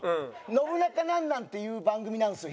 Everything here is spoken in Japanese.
『ノブナカなんなん？』っていう番組なんですよ